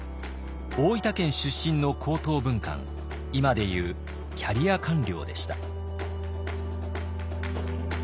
大分県出身の高等文官今で言うキャリア官僚でした。